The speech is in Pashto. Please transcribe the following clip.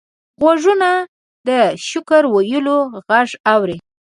غوږونه د شکر ویلو غږ اوري